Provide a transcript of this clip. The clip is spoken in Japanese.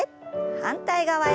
反対側へ。